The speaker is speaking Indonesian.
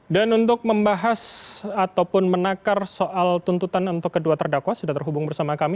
untuk membahas ataupun menakar soal tuntutan untuk kedua terdakwa sudah terhubung bersama kami